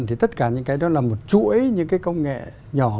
thì tất cả những cái đó là một chuỗi những cái công nghệ nhỏ